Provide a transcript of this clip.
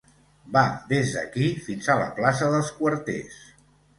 Va des d'aquí fins a la plaça dels Quarters.